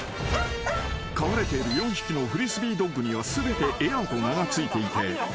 ［飼われている４匹のフリスビードッグには全て「エア」と名が付いていて］